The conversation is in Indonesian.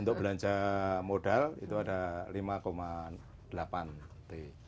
untuk belanja modal itu ada lima delapan t